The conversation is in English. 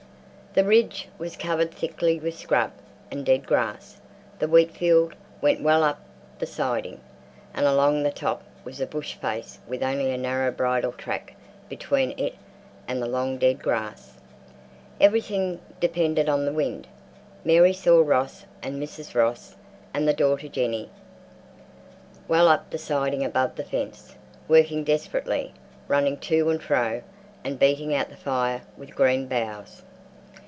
The ridge was covered thickly with scrub and dead grass; the wheat field went well up the siding, and along the top was a bush face with only a narrow bridle track between it and the long dead grass. Everything depended on the wind. Mary saw Ross and Mrs Ross and the daughter Jenny, well up the siding above the fence, working desperately, running to and fro, and beating out the fire with green boughs.